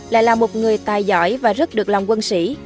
lại là một người tài giỏi và rất được lòng quân sĩ